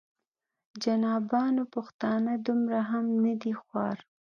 جنابانو پښتانه دومره هم نه دي خوار.